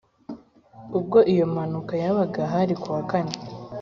Ubwo iyo mpanuka yabaga hari kuwa kane